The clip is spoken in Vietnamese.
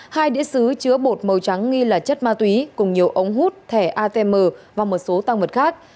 hai đĩa xứ chứa bột màu trắng nghi là chất ma túy cùng nhiều ống hút thẻ atm và một số tăng vật khác